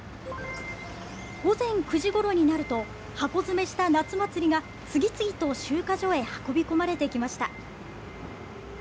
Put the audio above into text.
午前９時ごろになると、箱詰めした夏祭りが、次々と集荷所へ運び込まれてきました。